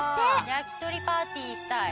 焼き鳥パーティーしたい。